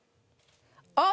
あっ！